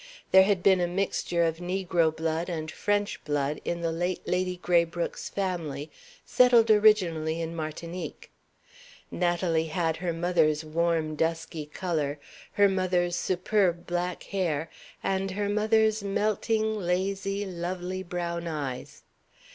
There had been a mixture of Negro blood and French blood in the late Lady Graybrooke's family, settled originally in Martinique. Natalie had her mother's warm dusky color, her mother's superb black hair, and her mother's melting, lazy, lovely brown eyes.